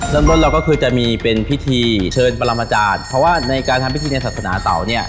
เริ่มต้นเราก็คือจะมีเป็นพิธีเชิญปรมาจารย์เพราะว่าในการทำพิธีในศาสนาเต่าเนี่ย